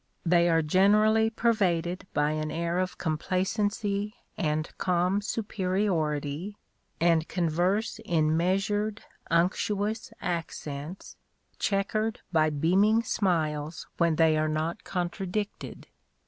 They are generally pervaded by an air of complacency and calm superiority, and converse in measured unctuous accents, checkered by beaming smiles when they are not contradicted.